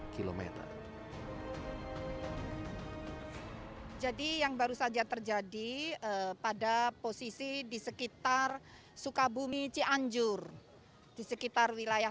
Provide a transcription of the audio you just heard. kilometer jadi yang baru saja terjadi pada posisi di sekitar sukabumi cianjur di sekitar wilayah